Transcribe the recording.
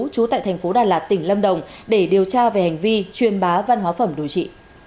trú tại thành phố đà lạt tỉnh lâm đồng để điều tra về hành vi truyền bá văn hóa phẩm đồi trị